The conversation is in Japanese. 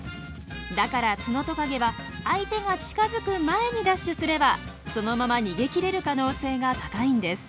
だからツノトカゲは相手が近づく前にダッシュすればそのまま逃げきれる可能性が高いんです。